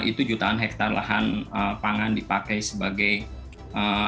itu jutaan hektare lahan pangan dipakai sebagai ditanami kedelai